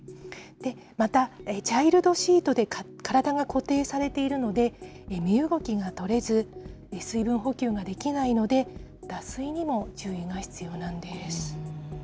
またチャイルドシートで体が固定されているので、身動きが取れず、水分補給ができないので、脱水にも注意が必要なんです。